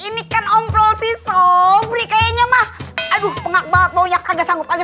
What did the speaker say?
ini kan omrol sih sobri kayaknya mah aduh pengak banget baunya kagak sanggup kagak